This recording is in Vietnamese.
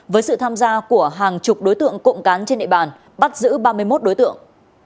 với sự tham gia của hàng chục đối tượng cộng cán trên địa bàn bắt giữ ba mươi một đối tượng